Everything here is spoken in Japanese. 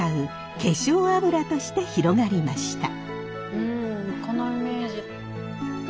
うんこのイメージ。